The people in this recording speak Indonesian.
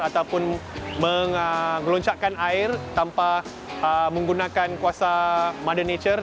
ataupun menggeloncakkan air tanpa menggunakan kuasa mother nature